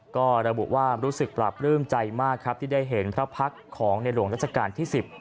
ก็ระบุว่ารู้สึกปราบปลื้มใจมากครับที่ได้เห็นพระพักษ์ของในหลวงราชการที่๑๐